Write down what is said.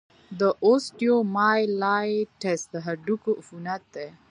د اوسټیومایلايټس د هډوکو عفونت دی.